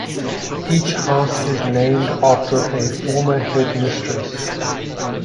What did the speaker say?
Each house is named after a former headmistress.